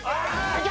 いけ！